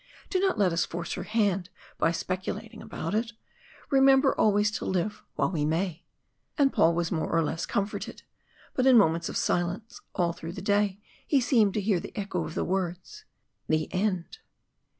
Do not let us force her hand by speculating about it. Remember always to live while we may." And Paul was more or less comforted, but in moments of silence all through the day he seemed to hear the echo of the words The End.